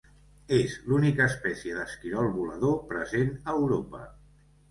És l'única espècie d'esquirol volador present a Europa.